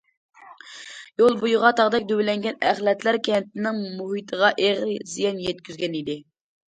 يول بويىغا تاغدەك دۆۋىلەنگەن ئەخلەتلەر كەنتنىڭ مۇھىتىغا ئېغىر زىيان يەتكۈزگەنىدى.